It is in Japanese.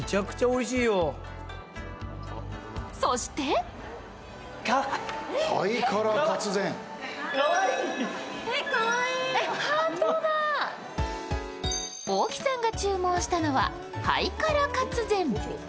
そして大木さんが注文したのはハイカラ・カツ膳。